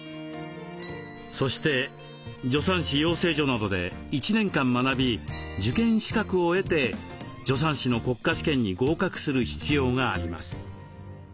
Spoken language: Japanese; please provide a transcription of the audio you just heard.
そして助産師養成所などで１年間学び受験資格を得て助産師の国家試験に合格する必要があります。